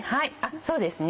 そうですね。